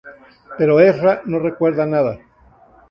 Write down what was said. Pero Ezra no recuerda nada.